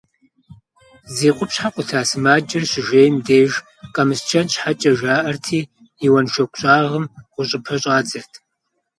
Зи къупщхьэ къута сымаджэр щыжейм деж, къэмыскӏэн щхьэкӏэ жаӏэрти, и уэншоку щӏагъым гъущӏыпэ щӏадзырт.